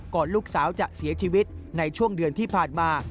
ลูกสาวจะเสียชีวิตในช่วงเดือนที่ผ่านมา